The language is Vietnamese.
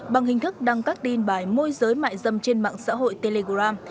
bằng hình thức đăng các tin bài môi giới mại dâm trên mạng xã hội telegram